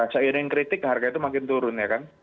seiring kritik harganya itu makin turun